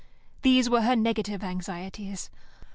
These were her negative anxieties.